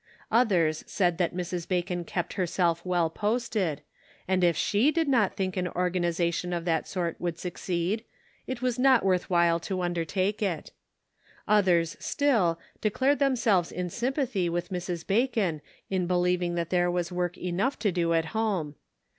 Others said that Mrs. Bacon kept herself well posted, and if she did not think an organization of that sort would succeed, it was not worth while to un dertake it. Others, still, declared themselves in sympathy with Mrs. Bacon in believing that there was work enough to do at home.